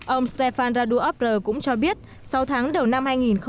ông stefan raduabr cũng cho biết sau tháng đầu năm hai nghìn một mươi chín